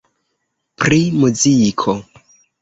Pri muziko.